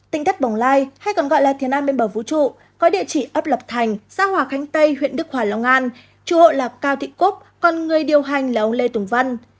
tinh đất bồng lai hay còn gọi là thiên an bên bờ vũ trụ có địa chỉ ấp lập thành xã hòa khánh tây huyện đức hòa long an chủ hộ là cao thị cúc còn người điều hành là ông lê tùng văn